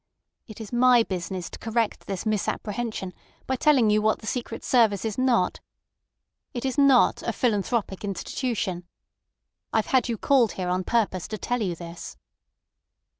It is my business to correct this misapprehension by telling you what the secret service is not. It is not a philanthropic institution. I've had you called here on purpose to tell you this."